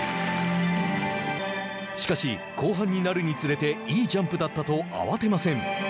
しかし、後半になるにつれていいジャンプだったと慌てません。